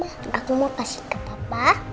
aku mau kasih ke papa